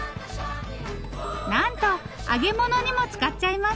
なんと揚げ物にも使っちゃいます。